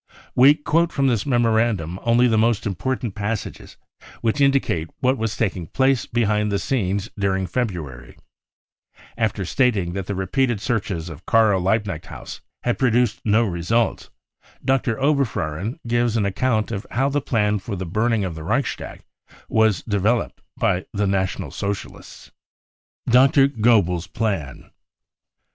We quote from this memorandum only the most import ant passages which indicate what was taking place behind the scenes during February, After stating that the repeated searches of Karl Liebknecht House had produced no results, Dr. Oberfohren gives an account of how the plan for the burning of the Reichstag was developed by the National Socialists. Dr. Goebbels 5 Plan.